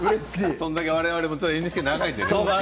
それだけ我々ＮＨＫも長いので。